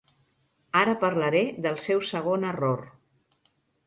Ara parlaré del seu segon error.